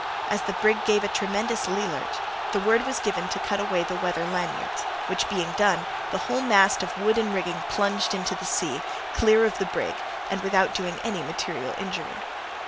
As the brig gave a tremendous lee lurch, the word was given to cut away the weather lanyards, which being done, the whole mass of wood and rigging plunged into the sea, clear of the brig, and without doing any material injury.